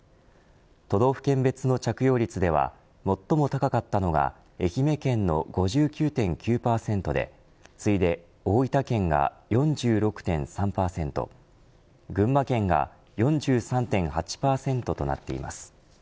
都道府県別の着用率では最も高かったのが愛媛県の５９．９％で次いで、大分県が４６．３％群馬県が４３．８％となっています。